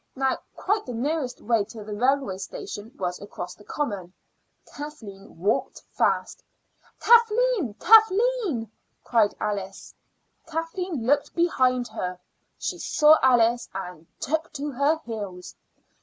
Now, quite the nearest way to the railway station was across the common. Kathleen walked fast. "Kathleen, Kathleen!" cried Alice. Kathleen looked behind her. She saw Alice, and took to her heels.